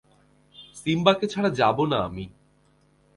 সিম্বাকে ছাড়া যাব না আমি।